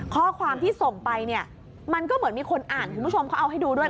ข้อความที่ส่งไปเนี่ยมันก็เหมือนมีคนอ่านคุณผู้ชมเขาเอาให้ดูด้วย